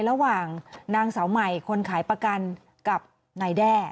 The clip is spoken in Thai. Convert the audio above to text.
ระหว่างนางสาวใหม่คนขายประกันกับนายแด้